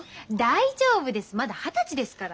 大丈夫ですまだ二十歳ですから。